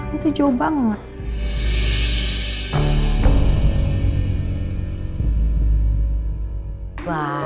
itu jauh banget